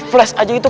klik masuk fb